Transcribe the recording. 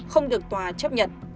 không được tòa chấp nhận